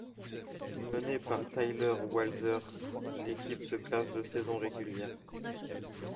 Menée par Tyler Walser, l'équipe se classe de saison régulière.